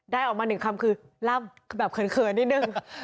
ได้ออกมาหนึ่งคำคือล่ำแบบเขินนิดนึง